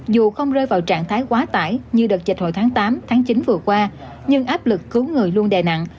dù không rơi vào trạng thái quá tải như đợt dịch hồi tháng tám tháng chín vừa qua nhưng áp lực cứu người luôn đè nặng